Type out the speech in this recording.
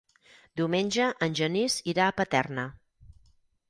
Diumenge en Genís irà a Paterna.